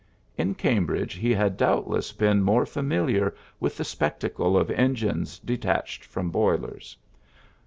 In Cam bridge he had doubtless been more fa miliar with the spectacle of engines detached from boilers.